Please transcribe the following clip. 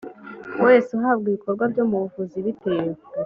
wese uhabwa ibikorwa byo mu buvuzi bitewe